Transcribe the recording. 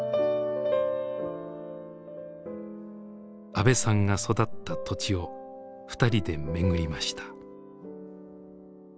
阿部さんが育った土地をふたりで巡りました。